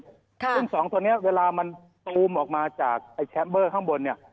ซึ่ง๒ตัวเนี่ยเวลามันตูมออกมาจากแชมเปอร์ข้างบนเนี่ย